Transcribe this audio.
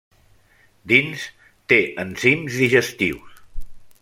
Dins té enzims digestius.